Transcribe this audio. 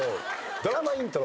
ドラマイントロ。